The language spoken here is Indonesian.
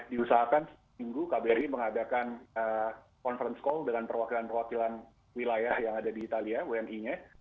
diusahakan seminggu kbri mengadakan conference call dengan perwakilan perwakilan wilayah yang ada di italia wni nya